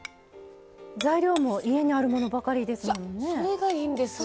材料も家にあるものばかりですもんね。